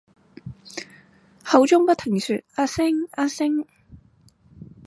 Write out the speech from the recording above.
口中不停說「阿星」「阿星」！